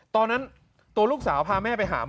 ตอนนั้นตัวลูกสาวพาแม่ไปหาหมอ